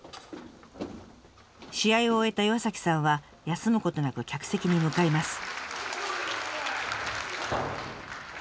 試合を終えた岩さんは休むことなく客席に向かいます。